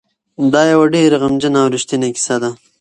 دا یوه ډېره غمجنه او رښتونې کیسه ده.